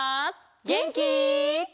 げんき？